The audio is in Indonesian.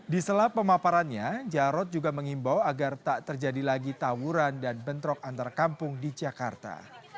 di selap pemaparannya jarod juga mengimbau agar tak terjadi lagi tawuran dan bentrok antar kampung di jakarta